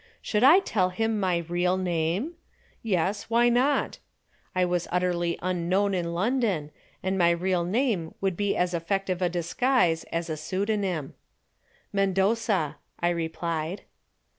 Should I tell him my real name? Yes, why not? I was utterly unknown in London, and my real name would be as effective a disguise as a pseudonym. "Mendoza," I replied.